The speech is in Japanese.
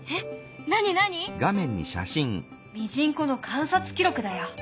ミジンコの観察記録だよ。